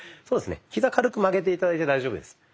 そうですねひざ軽く曲げて頂いて大丈夫です。